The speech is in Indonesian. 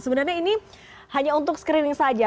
sebenarnya ini hanya untuk screening saja